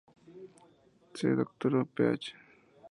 Se doctoró Ph.